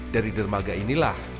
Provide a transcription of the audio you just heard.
dari dermaga inilah